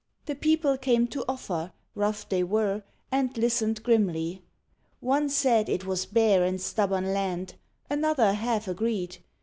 The people came to offer, rough they were, And listened grimly. One said it was bare And stubborn land; another half agreed.